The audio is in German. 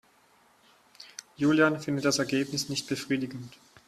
Julian findet das Ergebnis nicht befriedigend.